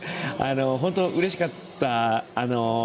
本当うれしかった。